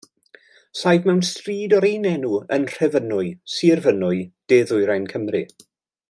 Saif mewn stryd o'r un enw yn Nhrefynwy, Sir Fynwy, de-ddwyrain Cymru.